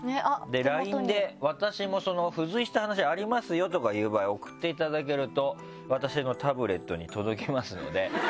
ＬＩＮＥで私も付随した話がありますよとかいう場合送っていただけると私のタブレットに届きますので。